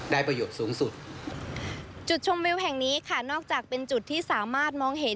ประโยชน์สูงสุดจุดชมวิวแห่งนี้ค่ะนอกจากเป็นจุดที่สามารถมองเห็น